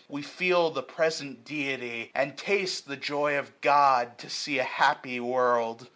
We feel the present Deity, and taste The joy of God to see a happy world